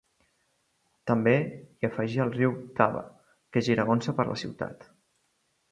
També i afegí el riu Vltava, que giragonsa per la ciutat.